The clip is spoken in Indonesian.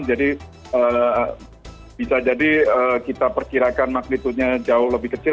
jadi bisa jadi kita perkirakan magnitudenya jauh lebih kecil